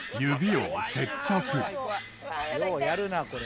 ようやるなこれ。